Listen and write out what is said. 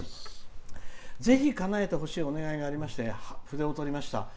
ぜひ、かなえてほしいお願いがありまして筆を執りました。